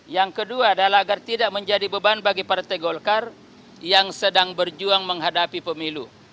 yang kedua adalah agar tidak menjadi beban bagi partai golkar yang sedang berjuang menghadapi pemilu